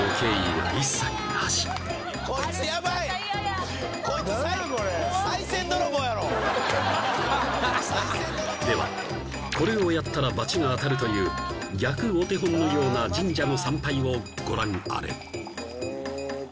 はっではこれをやったらバチが当たるという逆お手本のような神社の参拝をご覧あれ